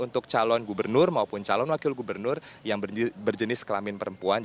terima kasih pak